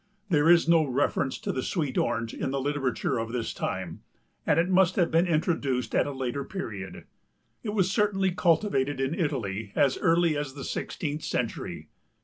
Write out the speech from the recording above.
There is no reference to the sweet Orange in the literature of this time and it must have been introduced at a later period. It was certainly cultivated in Italy as early as the sixteenth century.